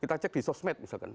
kita cek di sosmed misalkan